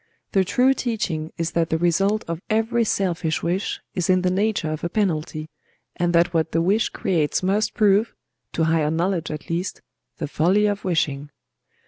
The true teaching is that the result of every selfish wish is in the nature of a penalty, and that what the wish creates must prove—to higher knowledge at least—the folly of wishing."